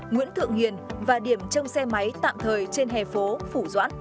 nguyễn thượng hiền và điểm trông xe máy tạm thời trên hè phố phủ doãn